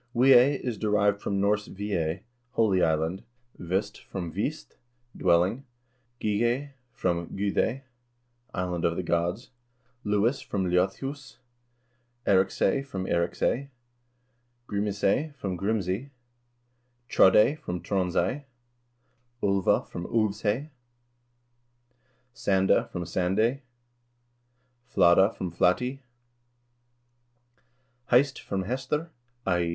Wiay is derived from Norse Ve ey (holy island), Vist from Vist (dwelling), Gighay from Gudey (island of the gods), Lewis from Ljodhus, Eriksay from Eirih ci/, Grimisay from Grims ey, Trodday from Tronds ey, Ulva from Ulvs ey, Sanda from Sand ey, Fladda from Flat ey, Heist from Hestr (i.